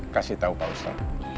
kasih tahu pak ustaz